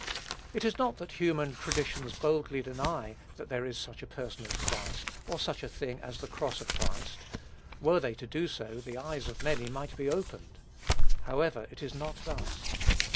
It is not that human traditions boldly deny that there is such a person as Christ, or such a thing as the cross of Christ: were they to do so, the eyes of many might be opened. However, it is not thus.